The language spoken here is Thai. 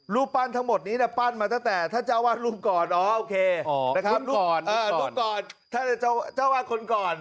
รูปปั้นทั้งหมดนี้แต่ปั้นมาตั้งแต่ถ้าเจ้าว่ารูปก่อนอ๋อโอเครูปก่อนถ้าเจ้าว่าคนก่อน